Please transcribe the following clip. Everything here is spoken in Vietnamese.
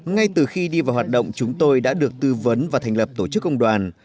ngay từ khi đi vào hoạt động chúng tôi đã được tư vấn và thành lập tổ chức công đoàn